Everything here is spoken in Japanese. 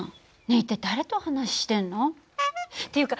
一体誰とお話ししてんの？っていうか